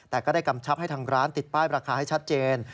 แต่ก็ได้กำชับให้ทางร้านติดป้ายราคาให้ชัดเจน